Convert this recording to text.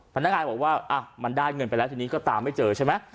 พนักงานบอกว่ามันได้เงินไปแล้วทีนี้ก็ตามไม่เจอใช่ไหม